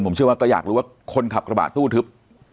ผมเชื่อว่าก็อยากรู้ว่าคนขับกระบะตู้ทึบ